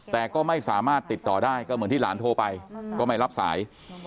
แต่ก็ไม่สามารถติดต่อได้ก็เหมือนที่หลานโทรไปก็ไม่รับสาย